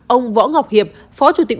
ông võ ngọc hiệp phó chủ tịch